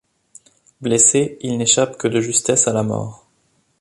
Blessé, il n'échappe que de justesse à la mort.